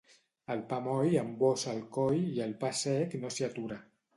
El pa moll embossa el coll i el pa sec no s'hi atura.